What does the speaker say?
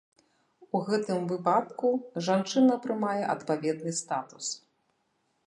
У гэтым выпадку жанчына прымае адпаведны статус.